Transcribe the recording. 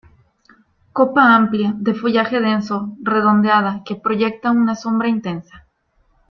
Copa amplia, de follaje denso, redondeada, que proyecta una sombra intensa.